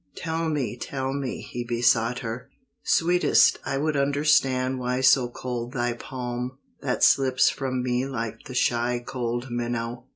"Tell me, tell me," he besought her, "Sweetest, I would understand Why so cold thy palm, that slips From me like the shy cold minnow?